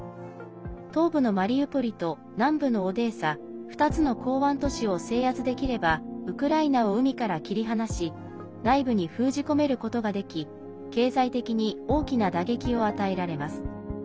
東部のマリウポリと南部のオデーサ２つの港湾都市を制圧できればウクライナを海から切り離し内部に封じ込めることができ経済的に大きな打撃を与えられます。